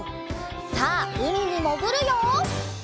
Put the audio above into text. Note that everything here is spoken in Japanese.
さあうみにもぐるよ！